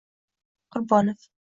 Qurbonov